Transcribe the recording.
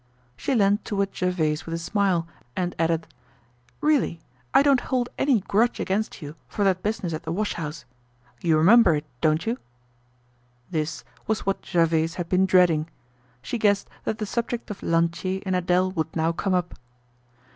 She leaned toward Gervaise with a smile and added, "Really, I don't hold any grudge against you for that business at the wash house. You remember it, don't you?" This was what Gervaise had been dreading. She guessed that the subject of Lantier and Adele would now come up.